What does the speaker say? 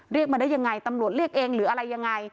เรียกมาได้ยังไงตำรวจเรียกเองหรืออะไรยังไง